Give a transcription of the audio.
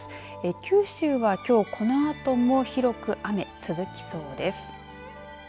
九州はきょうこのあとも広く雨、続きそうです。